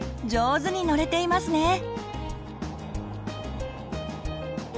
上手に乗れていますね！